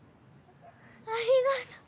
ありがとう！